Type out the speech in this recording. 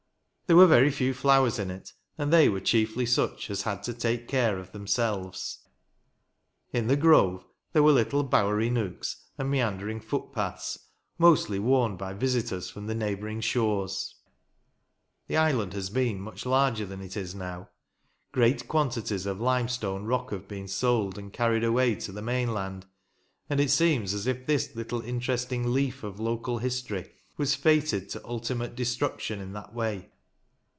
There were very few flowers in it, and they were chiefly such as had to take care of themselves. In the grove, there were little bowery nooks, and meandering footpaths, mostly worn by visitors from the neighbouring shores. The island has been much larger than it is now Great quantities of limestone rock have been sold, and carried away to the mainland; and it seems as if this little interesting leaf of local history was fated to ultimate destruction in that way.